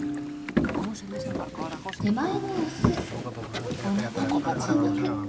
手前のオスおなかにご注目。